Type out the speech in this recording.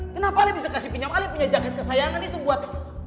kenapa ali bisa kasih pinjam ali punya jaket kesayangan itu buat